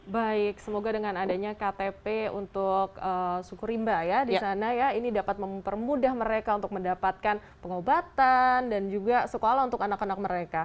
baik semoga dengan adanya ktp untuk suku rimba ya di sana ya ini dapat mempermudah mereka untuk mendapatkan pengobatan dan juga sekolah untuk anak anak mereka